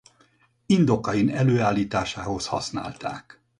Indokain előállításához használták.